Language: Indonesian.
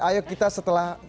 ayo kita setelah